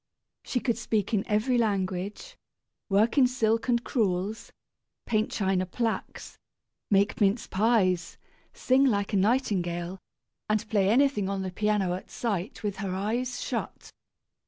She could speak in every language, work in silk and crewels, paint china plaques, make mince pies, sing like a nightingale, and play anything on the piano at sight with her eyes shut!